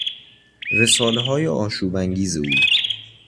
رسالههای آشوب انگیز او